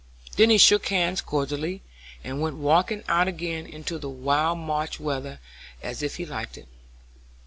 Then he shook hands cordially, and went walking out again into the wild March weather as if he liked it.